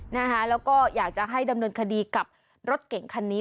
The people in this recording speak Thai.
แล้วก็อยากจะให้ดำเนินคดีกับรถเก่งคันนี้